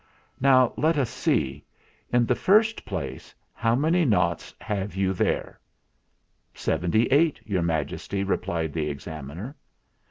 Now let us see. In the first place, how many noughts have you there ?" "Seventy eight, Your Majesty," replied the Examiner.